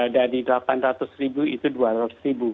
cukup membawa kematian dari delapan ratus ribu itu dua ratus ribu